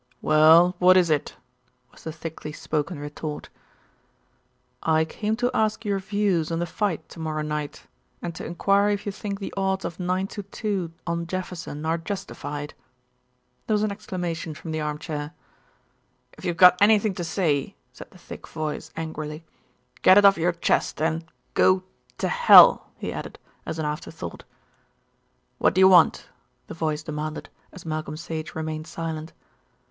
"Well, what is it?" was the thickly spoken retort. "I came to ask your views on the fight to morrow night, and to enquire if you think the odds of nine to two on Jefferson are justified." There was an exclamation from the arm chair. "If you've got anything to say," said the thick voice angrily, "get it off your chest and go to hell," he added, as an afterthought. "What do you want?" the voice demanded, as Malcolm Sage remained silent.